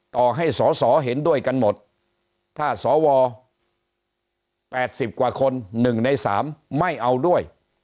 ต่อให้สอสอเห็นด้วยกันหมดถ้าสว๘๐กว่าคน๑ใน๓ไม่เอาด้วย